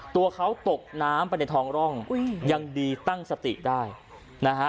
ตัวเขาตกน้ำไปในท้องร่องยังดีตั้งสติได้นะฮะ